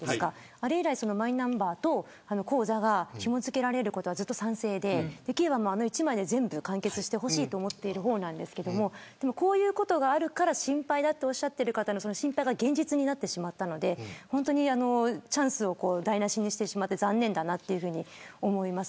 あれ以来、マイナンバーと口座がひも付けられることに賛成であれ１枚で完結してほしいと思ってる方なんですがこういうことがあるから心配だとおっしゃってる方の心配が現実になってしまったのでチャンスを台無しにしてしまって残念だと思います。